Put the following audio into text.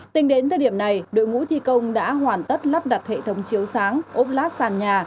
tính đến thời điểm này đội ngũ thi công đã hoàn tất lắp đặt hệ thống chiếu sáng ốp lát sàn nhà